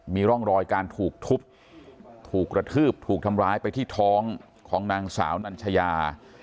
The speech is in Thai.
มีร่องรอยการถูกทุบถูกกระทืบถูกทำร้ายไปที่ท้องของนางสาวนัญชยา